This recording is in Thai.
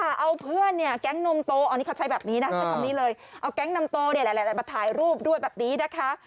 แต่เอาเพื่อนเนี่ยแก๊งนมโตอันนี้เขาใช้แบบนี้นะเอาแก๊งนมโตหลายมาถ่ายรูปด้วยแบบนี้นะคะ